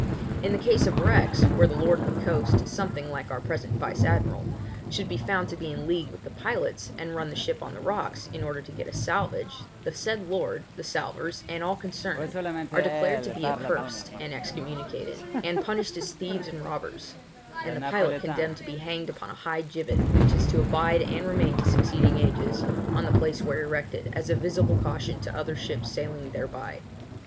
In the case of wrecks, where the lord of the coast (something like our present vice admiral) should be found to be in league with the pilots, and run the ships on rocks, in order to get salvage, the said lord, the salvers, and all concerned, are declared to be accursed and excommunicated, and punished as thieves and robbers; and the pilot condemned to be hanged upon a high gibbet, which is to abide and remain to succeeding ages, on the place where erected, as a visible caution to other ships sailing thereby.